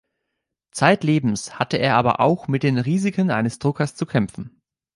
Zeitlebens hatte er aber auch mit den Risiken eines Druckers zu kämpfen.